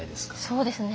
そうですね。